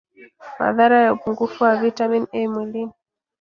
Madhara ya upungufu wa vitamini A mwilini